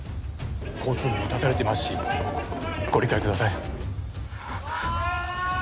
交通網も断たれていますしご理解ください。